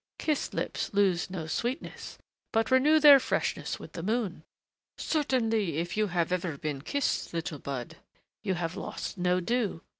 'Kissed lips lose no sweetness, but renew their freshness with the moon.' Certainly if you have ever been kissed, little bud, you have lost no dew....